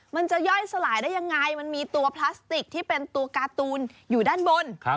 มันจะย่อยสลายได้ยังไงมันมีตัวพลาสติกที่เป็นตัวการ์ตูนอยู่ด้านบน